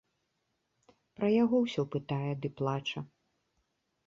Пра яго ўсё пытае ды плача.